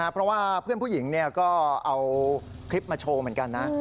เพราะว่าเพื่อนผู้หญิงก็เอาคลิปมาโชว์เหมือนกันนะ